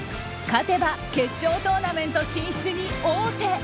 勝てば決勝トーナメント進出に王手。